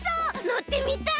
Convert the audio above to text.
のってみたい！